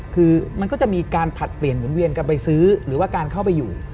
คือมันก็จะมีการผลัดเปลี่ยนหมุนเวียนกันไปซื้อหรือว่าการเข้าไปอยู่